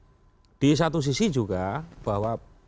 nah di satu sisi juga bahwa presiden ini kan juga diundang undang